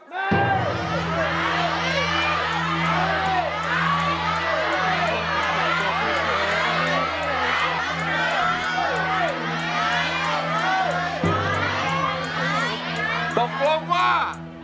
บอกล่อว่า